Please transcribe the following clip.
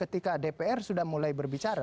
ketika dpr sudah mulai berbicara